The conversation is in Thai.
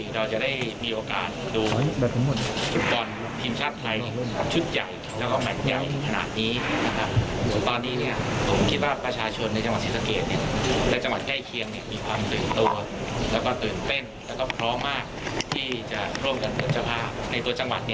และก็พร้อมมากที่จะร่วมกันกับุญชาภาพในตัวจังหวัด